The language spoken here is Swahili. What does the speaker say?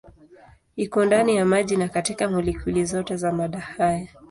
Iko ndani ya maji na katika molekuli zote za mada hai.